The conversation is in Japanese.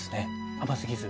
甘すぎず。